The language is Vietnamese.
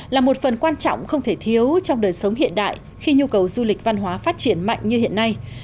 là một phần quan trọng không thể thiếu trong đời sống hiện đại khi nhu cầu du lịch văn hóa phát triển mạnh như hiện nay